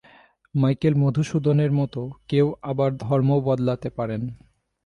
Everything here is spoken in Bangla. মাইকেল মধুসূদনের মতো কেউ আবার ধর্মও বদলাতে পারেন।